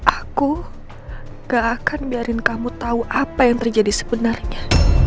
aku gak akan biarin kamu tahu apa yang terjadi sebenarnya